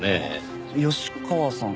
吉川さん？